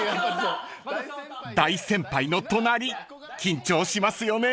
［大先輩の隣緊張しますよね］